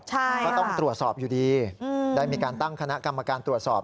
ใช่ก็ต้องตรวจสอบอยู่ดีได้มีการตั้งคณะกรรมการตรวจสอบ